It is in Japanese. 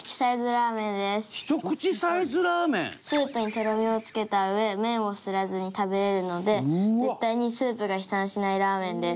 スープにとろみをつけたうえ麺をすすらずに食べられるので絶対にスープが飛散しないラーメンです。